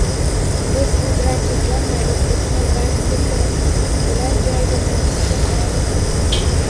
Biz bu bilan cheklanmay, O'zbekiston bank sektori bilan joyida tanishishga qaror qildik